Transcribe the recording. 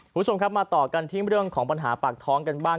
คุณผู้ชมครับมาต่อกันที่เรื่องของปัญหาปากท้องกันบ้าง